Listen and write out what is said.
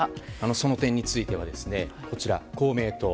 その点についてはこちら、公明党。